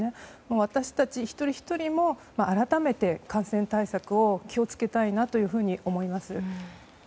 私たち、一人ひとりも改めて感染対策を気を付けたいなというふうに思います。